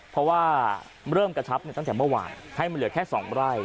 เพราะว่าเริ่มกระชับตั้งแต่เมื่อวานให้มันเหลือแค่๒ไร่